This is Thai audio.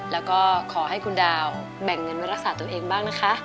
แล้วก็ขอให้คุณดาวแบ่งเงินไว้รักษาตัวเองบ้างนะคะ